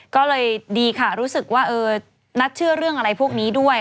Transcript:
ก็เลยดีค่ะรู้สึกว่านัทเชื่อเรื่องอะไรพวกนี้ด้วย